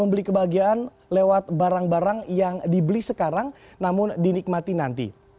membeli kebahagiaan lewat barang barang yang dibeli sekarang namun dinikmati nanti